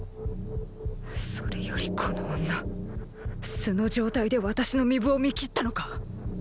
それよりこの女素の状態で私の巫舞を見切ったのか？